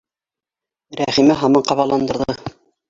Рәхимә һаман ҡабаландырҙы: